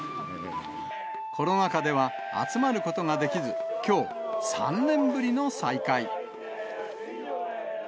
コロナ禍では集まることができず、きょう、３年ぶりの再開。